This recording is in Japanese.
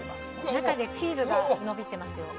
中でチーズが伸びていますよ。